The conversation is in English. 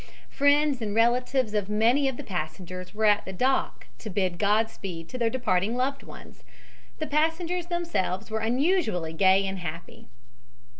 Friends and relatives of many of the passengers were at the dock to bid Godspeed to their departing loved ones. The passengers themselves were unusually gay and happy.